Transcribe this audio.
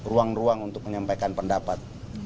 ruang ruang untuk menyampaikan pendapat